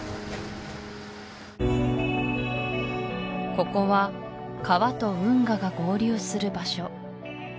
ここは川と運河が合流する場所